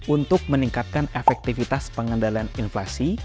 untuk meningkatkan efektivitas pengendalian inflasi